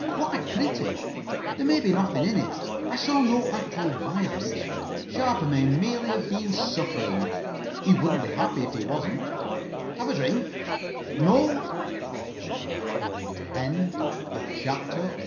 Quite pretty. There may be nothing in it. I saw no actual violence. Sharper may merely have been suffering. He wouldn't be happy if he wasn't. Have a drink.